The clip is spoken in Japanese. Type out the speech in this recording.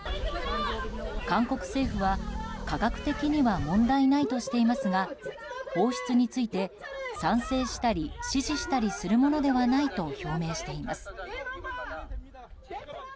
韓国政府は科学的には問題ないとしていますが放出について賛成したり支持したりするものではないと表明しています。